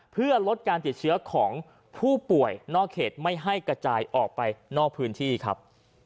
เพื่อลดการติดเชื้อของผู้ป่วยนอกเขตไม่ให้กระจายออกไปนอกพื้นที่ครับ